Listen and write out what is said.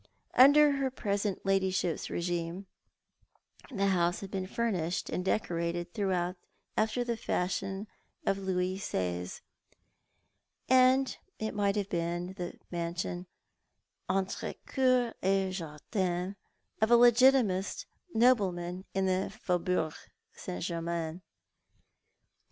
Under her present ladyship's regime the house had been furnished and decorated throughout after the fashion of Louis Seize ; and it might have been the mansion enire cour et j'ardin of a Legitimist nobleman in the Faubourg St. Germain.